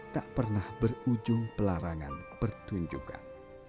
tak pernah berujung pelarangan pertunjukan